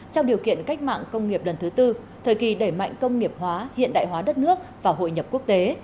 trong điều kiện cách mạng công nghiệp lần thứ tư thời kỳ đẩy mạnh công nghiệp hóa hiện đại hóa đất nước và hội nhập quốc tế